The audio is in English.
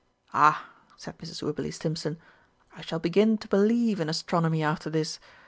"Ah," said Mrs. Wibberley Stimpson, "I shall begin to believe in Astronomy after this.